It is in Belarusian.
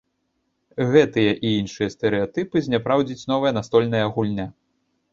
Гэтыя і іншыя стэрэатыпы зняпраўдзіць новая настольная гульня.